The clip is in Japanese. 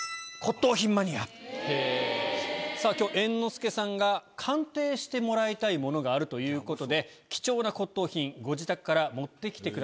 今日猿之助さんが鑑定してもらいたいものがあるということで貴重な骨董品ご自宅から持ってきてくださいました。